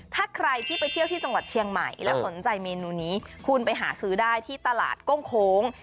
ถ้าใครที่ไปเที่ยวที่จังหวัดเชียงใหม่แล้วสนใจเมนูนี้คุณไปหาซื้อได้ที่ตลาดก้งโค้ง